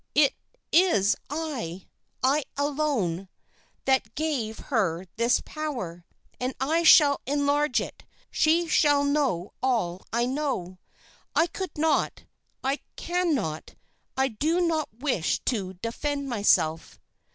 It is I, I alone, that gave her this power, and I shall enlarge it. She shall know all I know. I could not, I cannot, I do not wish to defend myself.'